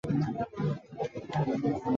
尔后则作为附近居民以及朝圣者而服务。